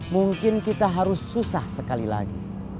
mungkin kita harus susah sekali lagi